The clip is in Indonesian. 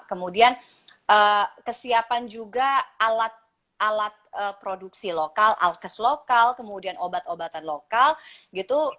kemudian kesiapan juga alat alat produksi lokal alkes lokal kemudian obat obatan lokal gitu